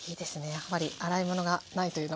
やっぱり洗い物がないというのは。